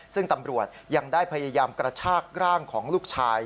ซึ่งตำรวจยังได้พยายามกระชากร่างของลูกชาย